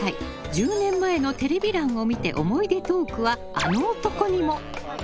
１０年前のテレビ欄を見て思い出トークは、あの男にも。